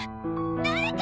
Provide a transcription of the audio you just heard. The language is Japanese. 誰か！